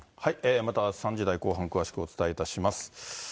また３時台後半、詳しくお伝えいたします。